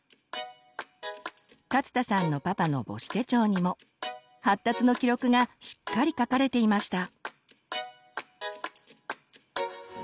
勝田さんのパパの母子手帳にも発達の記録がしっかり書かれていました。